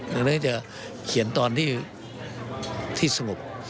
ดังนั้นจะเขียนตอนที่สงบ